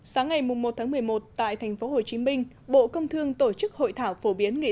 sáng ngày một một mươi một tại thành phố hồ chí minh bộ công thương tổ chức hội thảo phổ biến nghị